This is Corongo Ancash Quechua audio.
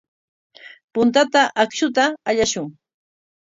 Puntata akshuta allashun.